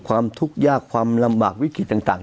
ความทุกข์ยากความลำบากวิกฤตต่าง